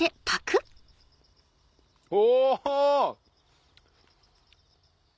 お！